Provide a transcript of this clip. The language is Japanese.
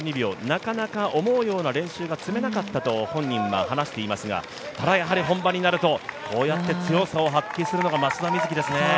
なかなか思うような練習が積めなかったと本人は話していますが、ただやはり本番になるとこうやって強さを発揮するのが松田瑞生ですね。